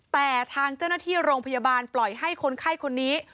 แต่ทางเจ้าหน้าที่โรงพยาบาลปล่อยให้คนไข้คนนี้